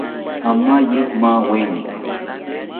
Amaye maweni